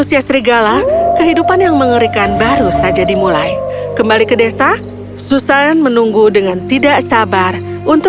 selamatkan diri kalian